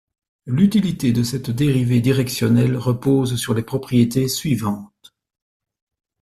L'utilité de cette dérivée directionnelle repose sur les propriétés suivantes.